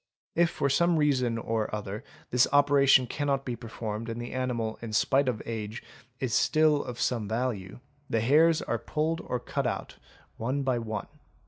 If for some reason or other, this opera tion cannot be performed and the animal in spite of age is still of some value, the hairs are pulled or cut out one by one.